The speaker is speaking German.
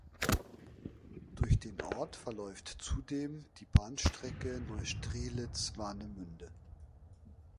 Durch den Ort verläuft zudem die Bahnstrecke Neustrelitz–Warnemünde.